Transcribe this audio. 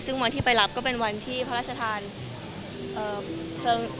ซึ่งวันที่ไปรับก็เป็นวันที่พระราชทานเพลิง